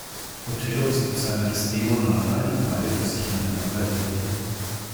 Otello ist mit seiner Desdemona allein, und beide versichern einander ihre Liebe.